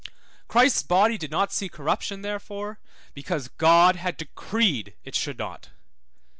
Christ's body did not see corruption, therefore, because God had decreed it should not.